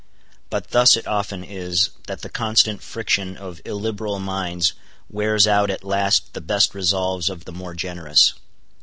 But thus it often is, that the constant friction of illiberal minds wears out at last the best resolves of the more generous.